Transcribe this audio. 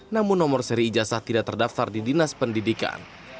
namun nomor seri ijazah tidak terdaftar di dinas pendidikan